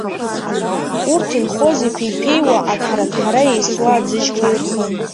Урҭ инхоз иԥеиԥеиуа, аҭҳара-ҭҳара еисуа аӡыжьқәа ирхын.